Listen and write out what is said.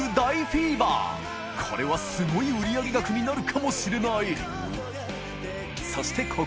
海譴すごい売上額になるかもしれない磴修靴